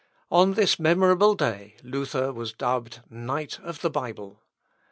On this memorable day, Luther was dubbed knight of the Bible.